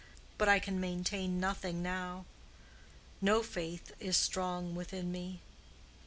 But I can maintain nothing now. No faith is strong within me.